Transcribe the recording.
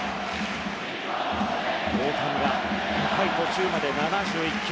大谷は５回途中まで７１球。